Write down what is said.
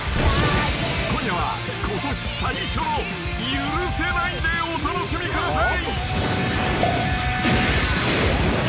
［今夜はことし最初の「許せない！」でお楽しみください］